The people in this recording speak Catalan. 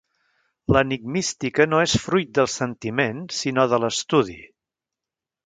L'Enigmística no és fruit del sentiment, sinó de l'estudi.